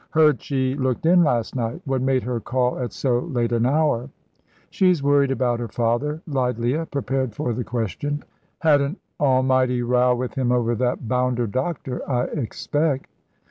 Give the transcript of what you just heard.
"Heard she looked in last night. What made her call at so late an hour?" "She's worried about her father," lied Leah, prepared for the question. "Had an almighty row with him over that bounder doctor, I expect."